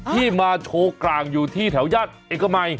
ที่มาโชว์กลางอยู่ที่แถวย่านเอกมัย